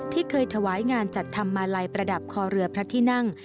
ที่เคยถวายงานจัดทำมาลัยประดับคอเรือพระที่นั่ง